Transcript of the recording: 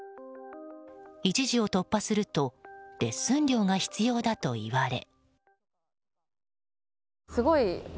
１次を突破するとレッスン料が必要だと言われ。